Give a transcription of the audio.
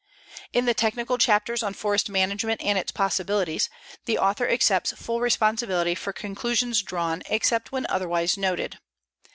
In the technical chapters on forest management and its possibilities, the author accepts full responsibility for conclusions drawn except when otherwise noted.